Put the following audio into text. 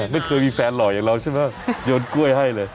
ไม่เคยมีแฟนหล่ออย่างเราใช่ไหมโยนกล้วยให้เลย